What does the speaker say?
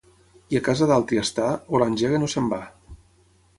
Qui a casa d'altri està, o l'engeguen o se'n va.